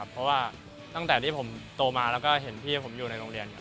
เพราะว่าตั้งแต่ที่ผมตัวมาและเห็นพี่ผมอยู่ในโรงเรียน